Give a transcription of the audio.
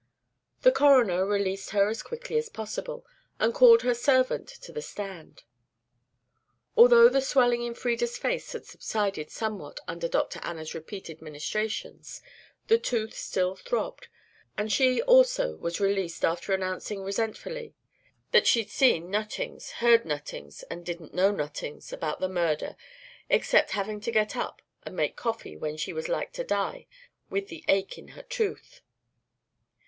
The coroner released her as quickly as possible, and called her servant to the stand. Although the swelling in Frieda's face had subsided somewhat under Dr. Anna's repeated ministrations, the tooth still throbbed; and she also was released after announcing resentfully that she'd seen "notings," heard "notings," and "didn't know notings" about the murder except having to get up and make coffee when she was like to die with the ache in her tooth.